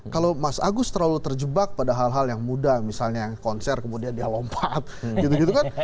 kalau mas agus terlalu terjebak pada hal hal yang mudah misalnya yang konser kemudian dia lompat gitu gitu kan